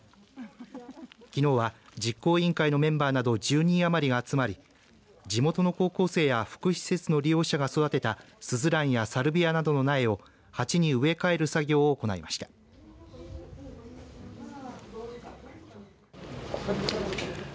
きのうは実行委員会のメンバーなど１０人余りが集まり地元の高校生や福祉施設の利用者が育てたすずらんやサルビアなどの苗を鉢に植え替える作業を行いました。